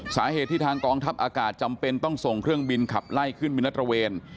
สาเหตุที่ทางกองทัพอากาศจำเป็นต้องส่งเครื่องบินขับไล่ขึ้นบินรัตระเวน